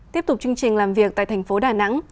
tiếp tục chương trình làm việc tại thành phố đà nẵng